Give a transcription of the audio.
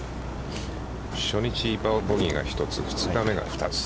初日ボギーが１つ、２日目が２つ。